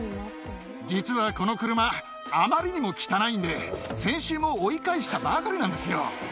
実はこの車、あまりにも汚いんで、先週も追い返したばかりなんですよ。